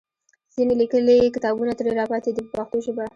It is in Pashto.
ځینې لیکلي کتابونه ترې راپاتې دي په پښتو ژبه.